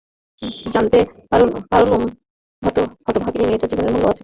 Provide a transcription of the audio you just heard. জানতে পারলুম হতভাগিনী মেয়েরও জীবনের মূল্য আছে।